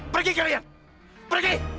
pergi kalian pergi